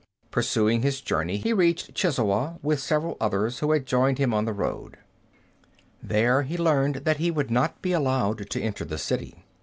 Pursuing his journey, he reached Chizoa with several others who had joined him on the road. There he learned that he would not be allowed to enter the city.